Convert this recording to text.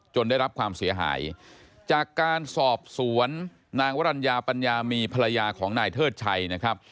ได้รับความเสียหายจากการสอบสวนนางวรรณญาปัญญามีภรรยาของนายเทิดชัยนะครับ